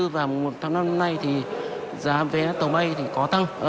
và một tháng năm nay thì giá vé tàu bay thì có tăng